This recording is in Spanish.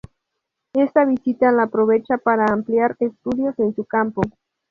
Esta visita la aprovecha para ampliar estudios en su campo.